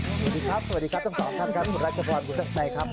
สวัสดีครับสวัสดีครับทั้งสองท่านครับคุณรัชพรคุณทักชัยครับ